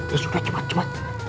ya sudah cepat cepat